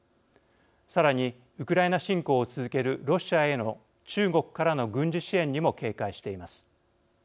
さらにウクライナ侵攻を続けるロシアへの中国からの軍事支援にも警戒しています。